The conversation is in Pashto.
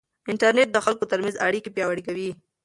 انټرنيټ د خلکو ترمنځ اړیکې پیاوړې کوي.